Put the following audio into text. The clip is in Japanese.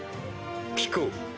聞こう。